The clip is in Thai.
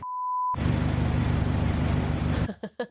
เดี๋ยวก่อน